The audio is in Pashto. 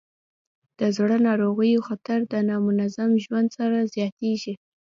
د زړه ناروغیو خطر د نامنظم ژوند سره زیاتېږي.